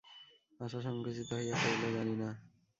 আশা সংকুচিত হইয়া কহিল, জানি না।